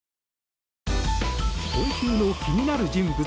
今週の気になる人物